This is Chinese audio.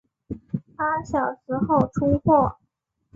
八小时后出货